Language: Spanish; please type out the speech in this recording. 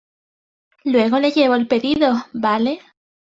luego le llevo el pedido, ¿ vale?